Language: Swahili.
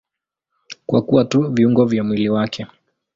Kwa kuwa tu viungo vya mwili wake.